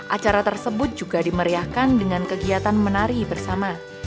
acara tersebut juga dimeriahkan dengan kegiatan menari bersama